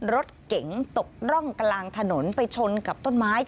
รถเก๋งตกร่องกลางถนนไปชนกับต้นไม้